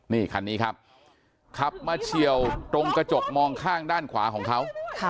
นี่คันนี้ครับขับมาเฉียวตรงกระจกมองข้างด้านขวาของเขา